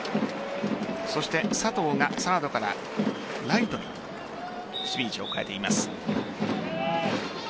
そして佐藤がサードからライトに守備位置を変えています。